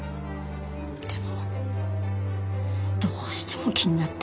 でもどうしても気になって。